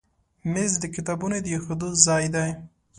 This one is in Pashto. مېز د کتابونو د ایښودو ځای دی.